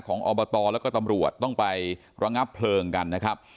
อบตแล้วก็ตำรวจต้องไประงับเพลิงกันนะครับ